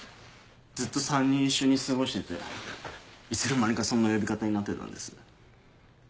ずっと３人一緒に過ごしてていつの間にかそんな呼び方になってたんです。